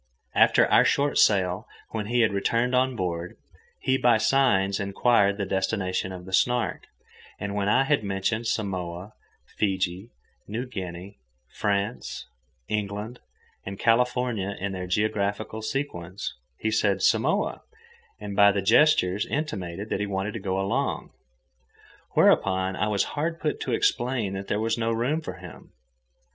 After our short sail, when he had returned on board, he by signs inquired the destination of the Snark, and when I had mentioned Samoa, Fiji, New Guinea, France, England, and California in their geographical sequence, he said "Samoa," and by gestures intimated that he wanted to go along. Whereupon I was hard put to explain that there was no room for him.